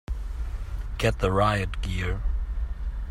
Get the riot gear!